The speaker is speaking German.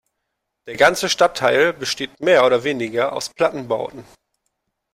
Der ganze Stadtteil besteht mehr oder weniger aus Plattenbauten.